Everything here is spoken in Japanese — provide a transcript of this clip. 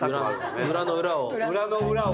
裏の裏を。